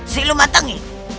si lemah tengi